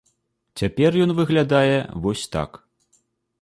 Цяпер ён выглядае вось так.